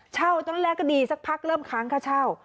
ตอนแรกก็ดีสักพักเริ่มค้างค่าเช่า